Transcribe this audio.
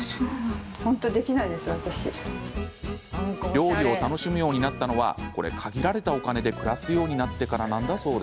料理を楽しむようになったのは限られたお金で暮らすようになってからなんだそう。